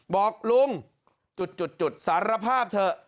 บอกลุงจุดสารภาพเถอะ